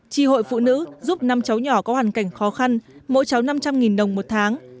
tri hội phụ nữ giúp năm cháu nhỏ có hoàn cảnh khó khăn mỗi cháu năm trăm linh đồng một tháng